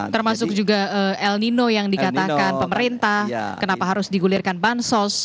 termasuk juga el nino yang dikatakan pemerintah kenapa harus digulirkan bansos